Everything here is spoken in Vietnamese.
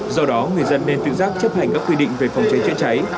do đó người dân nên tự giác chấp hành các quy định về phòng cháy chữa cháy